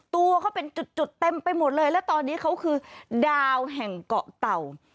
ตัวเขาเป็นจุดเต็มไปหมดเลยและตอนนี้เขาคือดาวแห่งเกาะเต่า